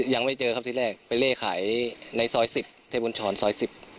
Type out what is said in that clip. ยังไม่เจอครับที่แรกไปเล่ขายในซอย๑๐เทพบุญชรซอย๑๐